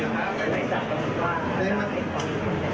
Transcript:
ยังไม่มีฝ่ายกล้อง